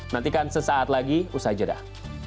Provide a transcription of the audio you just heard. nantikan sesaat lagi usha jedah